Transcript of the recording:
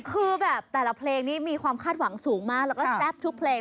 คือแบบแต่ละเพลงนี้มีความคาดหวังสูงมากแล้วก็แซ่บทุกเพลง